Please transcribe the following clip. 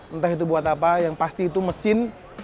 entah itu buat apa yang pasti itu mesin